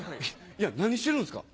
いや何してるんですか？